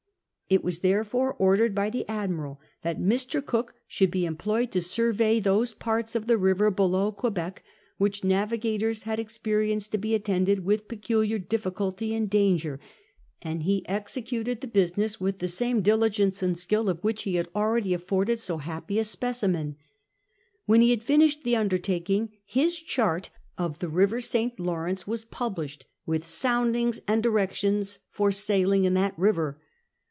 Tt was, therefore, orrlered by the iidmiral that Mr. Cook alionld be employed to survey those piirts of tins river below Quebec which navigators had ex2»erienced to be attended with peculiar difficulty and danger, and he executed the business with the sjune diligence and . skill of which he had already attbixled so ha])]»y a siKJcimen. When he had flnished the undertaking, his chart of the river SL Lawrence was published, with soundings and directions for sjiiling in that river.